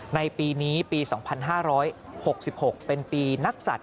ในปีนี้ปี๒๕๖๖เป็นปีนักศัตริย